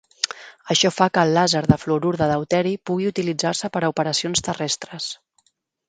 Això fa que el làser de fluorur de deuteri pugui utilitzar-se per a operacions terrestres.